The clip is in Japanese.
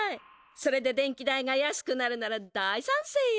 それで電気代が安くなるなら大さんせいよ。